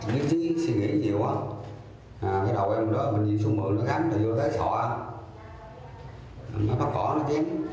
nếu chí suy nghĩ nhiều cái đầu em đó mình nhìn xuống mưa nó gắn rồi vô tới sọ nó bắt cỏ nó chín